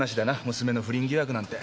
娘の不倫疑惑なんて。